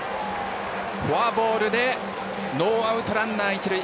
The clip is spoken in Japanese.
フォアボールでノーアウトランナー、一塁。